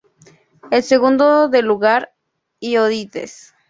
El segundo da lugar Hioides.